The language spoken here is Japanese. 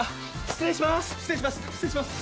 失礼します。